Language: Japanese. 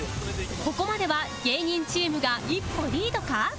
ここまでは芸人チームが一歩リードか？